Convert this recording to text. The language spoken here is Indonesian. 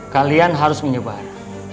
kalian harus menyebar